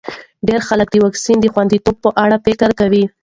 ډېر خلک د واکسین د خونديتوب په اړه فکر کوي.